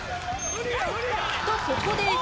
とここで